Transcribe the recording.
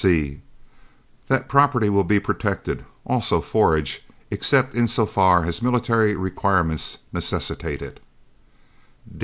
"(c) That property will be protected, also forage, except in so far as military requirements necessitate it.